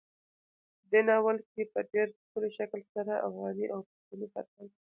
په دې ناول کې په ډېر ښه شکل سره افغاني او پښتني فرهنګ,